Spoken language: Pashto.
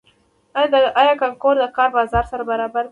آیا کانکور د کار بازار سره برابر دی؟